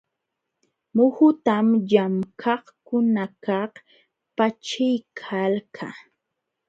Muhutam llamkaqkunakaq paćhiykalka.